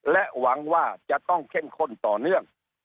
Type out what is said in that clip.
และหวังว่าจะต้องเข้มข้นต่อเนื่อง